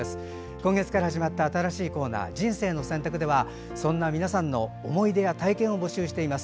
今月から始まった新しいコーナー「人生の選択」では皆さんの思い出や体験を募集しています。